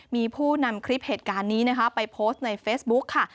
มีผู้นำคลิปเหตุการณ์นี้นะคะไปโพสต์ในเฟซบุ๊คค่ะ